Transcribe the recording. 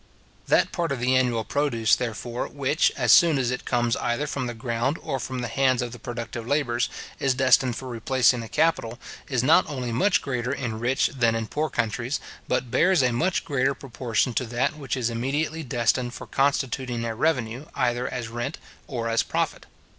That part of the annual produce, therefore, which, as soon as it comes either from the ground, or from the hands of the productive labourers, is destined for replacing a capital, is not only much greater in rich than in poor countries, but bears a much greater proportion to that which is immediately destined for constituting a revenue either as rent or as profit.